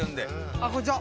あっこんにちは。